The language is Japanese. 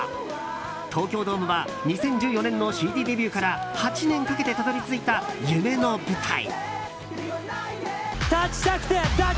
東京ドームは２０１４年のＣＤデビューから８年かけてたどり着いた夢の舞台。